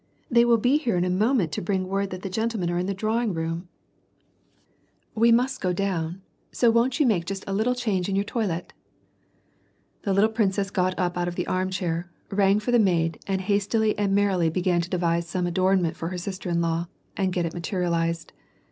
" They will be here in a moment to bring word that the gentlemen are in the drawing room ; we WAR AXD PEACE. 268 must go down ; so won't you make just a little change in your toilette ?"♦ The little princess got up out of the arm chair, rang for the maid; and hastily and merrily began to devise some adornment for her sister in law, and get it materialized.